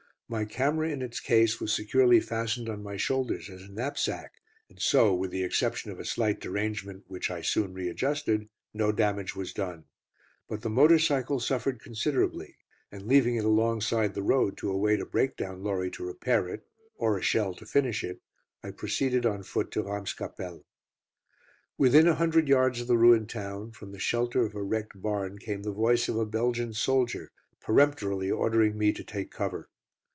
My camera in its case was securely fastened on my shoulders as a knapsack, and so, with the exception of a slight derangement, which I soon readjusted, no damage was done. But the motor cycle suffered considerably, and leaving it alongside the road to await a breakdown lorry to repair it or a shell to finish it I proceeded on foot to Ramscapelle. Within a hundred yards of the ruined town, from the shelter of a wrecked barn came the voice of a Belgian soldier peremptorily ordering me to take cover.